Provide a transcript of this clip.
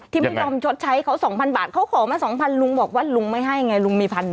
ที่ไม่ยอมชดใช้เขา๒๐๐บาทเขาขอมา๒๐๐ลุงบอกว่าลุงไม่ให้ไงลุงมี๑๑๐๐